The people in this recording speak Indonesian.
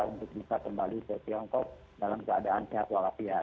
untuk bisa kembali ke tiongkok dalam keadaan sehat walafiat